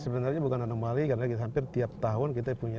sebenarnya bukan anomali karena hampir tiap tahun kita punya